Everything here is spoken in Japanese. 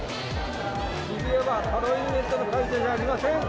渋谷はハロウィーンイベントの会場ではありません。